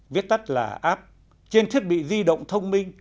viết tắt là app trên thiết bị di động thông minh